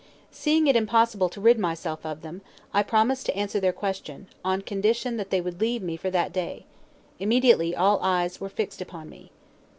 Seeing it impossible to rid myself of them, I promised to answer their question, on condition that they would leave me for that day. Immediately all eyes were fixed upon me.